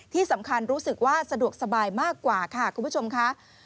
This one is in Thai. ที่สำคัญรู้สึกว่าสะดวกสบายมากกว่าค่ะคุณผู้ชมค่ะ